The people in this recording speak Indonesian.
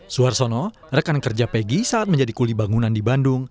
suarsono rekan kerja peggy saat menjadi kuli bangunan di bandung